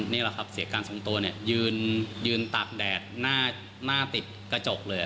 นี่แหละครับเสียงการทรงโตเนี้ยยืนยืนตากแดดหน้าหน้าติดกระจกเลย